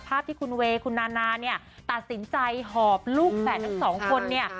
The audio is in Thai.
ภาพที่คุณเวย์คุณนานาเนี่ยตัดสินใจหอบลูกแฝดทั้งสองคนเนี่ย